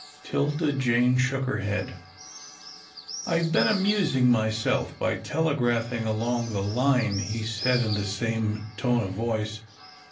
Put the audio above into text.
'Tilda Jane shook her head. "I've been amusing myself by telegraphing along the line," he said, in the same tone of voice.